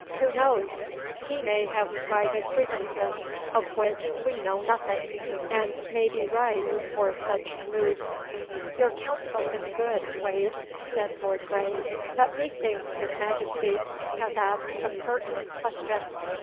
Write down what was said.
Who knows? He may have private grievances of which we know nothing, and may be ripe for such a move.' 'Your counsel is good, Wade,' said Lord Grey, 'but methinks his Majesty hath asked a pertinent question.